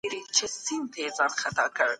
نېک کارونه وکړئ.